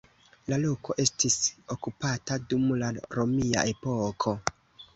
La loko estis okupata dum la romia epoko.